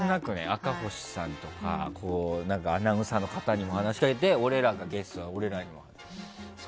赤星さんとかアナウンサーの方にも話しかけて俺らがゲストで俺にも話しかけて。